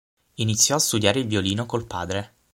Iniziò a studiare il violino col padre.